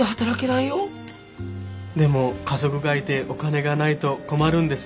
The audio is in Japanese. でも家族がいてお金がないと困るんです。